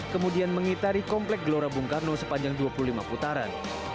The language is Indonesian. kemudian mengitari komplek gelora bung karno sepanjang dua puluh lima putaran